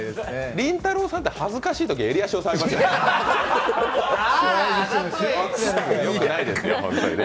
りんたろーさんって恥ずかしいとき、襟足を押さえますよね。